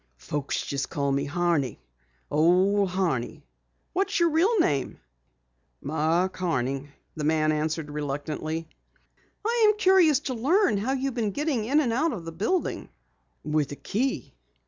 "Folks just call me Horney. Old Horney." "What is your real name?" "Mark Horning," the man answered reluctantly. "I'm curious to learn how you've been getting in and out of the building." "With a key."